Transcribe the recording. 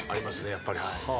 やっぱり。